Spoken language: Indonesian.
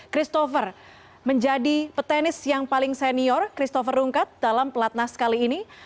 christopher menjadi petenis yang paling senior christopher rungkat dalam pelatnas kali ini